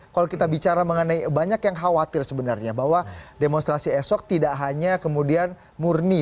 kalau kita bicara mengenai banyak yang khawatir sebenarnya bahwa demonstrasi esok tidak hanya kemudian murni